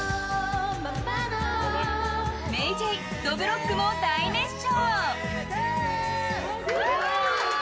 ＭａｙＪ．どぶろっくも大熱唱！